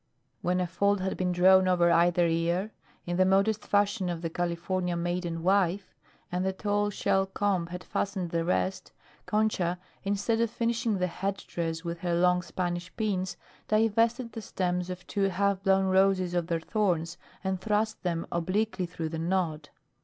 When a fold had been drawn over either ear, in the modest fashion of the California maid and wife, and the tall shell comb had fastened the rest, Concha instead of finishing the headdress with her long Spanish pins, divested the stems of two half blown roses of their thorns and thrust them obliquely through the knot.